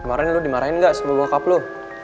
kemarin lo dimarahin gak sama bokap lo